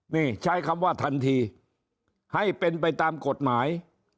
นี่ใช้คำว่าทันทีให้เป็นไปตามกฎหมาย